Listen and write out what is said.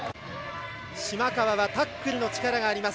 島川はタックルの力があります。